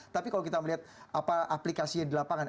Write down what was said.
tapi kalau kita melihat aplikasinya di lapangan